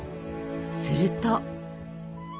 すると。